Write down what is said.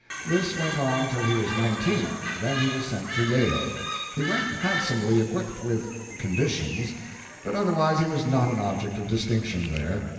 This went on till he was nineteen, then he was sent to Yale. He went handsomely equipped with "conditions," but otherwise he was not an object of distinction there.